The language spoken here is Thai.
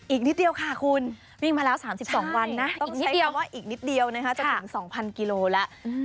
อีกนิดเดียวค่ะคุณวิ่งมาแล้ว๓๒วันนะต้องใช้คำว่าอีกนิดเดียวนะคะจะถึง๒๐๐กิโลแล้ว